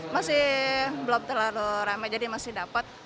masih belum terlalu rame jadi masih dapat